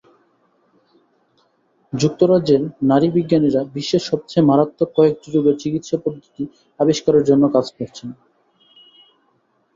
যুক্তরাজ্যের নারী বিজ্ঞানীরা বিশ্বের সবচেয়ে মারাত্মক কয়েকটি রোগের চিকিৎসাপদ্ধতি আবিষ্কারের জন্য কাজ করছেন।